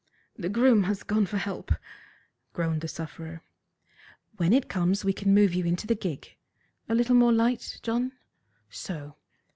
"The groom has gone for help," groaned the sufferer. "When it comes we can move you into the gig. A little more light, John! So!